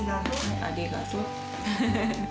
ありがとうって。